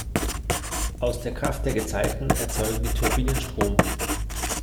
Aus der Kraft der Gezeiten erzeugen die Turbinen Strom.